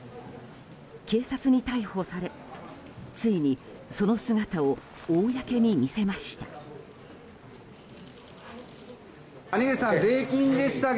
警察に逮捕されついにその姿を公に見せました。